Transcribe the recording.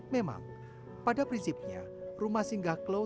memang pada prinsipnya rumah singgah klo